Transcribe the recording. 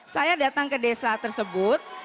saya datang ke desa tersebut